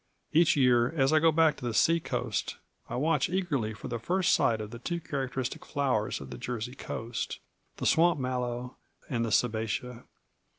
Each year, as I go back to the sea coast, I watch eagerly for my first sight of the two characteristic flowers of the Jersey coast, the swamp mallow and the sabbatia.